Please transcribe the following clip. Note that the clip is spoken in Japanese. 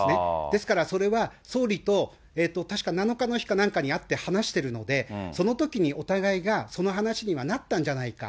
ですから、それは総理と、確か７日の日かなんかに会って話してるので、そのときにお互いがその話にはなったんじゃないか。